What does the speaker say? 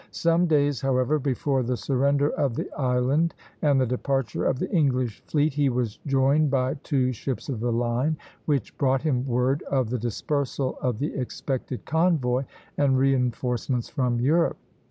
Some days, however, before the surrender of the island and the departure of the English fleet, he was joined by two ships of the line which brought him word of the dispersal of the expected convoy and reinforcements from Europe.